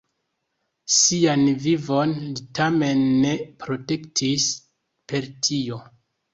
Sian vivon li tamen ne protektis per tio.